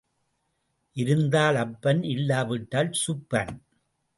இருந்தால் அப்பன் இல்லாவிட்டால் சுப்பன்.